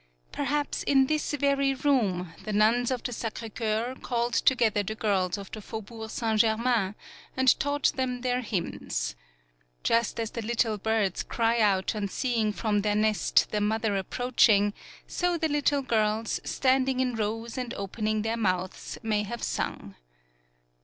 Perhaps in this very room the nuns of the Sacre Coeur called together the girls of the Faubourg Saint Germain and taught them their hymns. Just as the little birds cry out on seeing from their nest the mother ap 35 PAULOWNIA preaching, so the little girls, standing in rows and opening their mouths, may have sung.